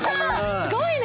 すごいね！